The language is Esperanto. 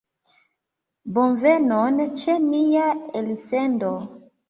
Bonvenon ĉe nia elsendo.